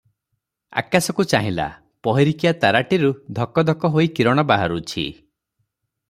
ଆକାଶକୁ ଚାହିଁଲା, ପହରିକିଆ ତାରାଟିରୁ ଧକ ଧକ ହୋଇ କିରଣ ବାହାରୁଛି ।